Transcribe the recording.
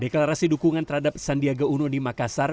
deklarasi dukungan terhadap sandiaga uno di makassar